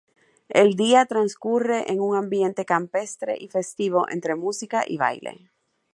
El día transcurre en un ambiente campestre y festivo, entre música y baile.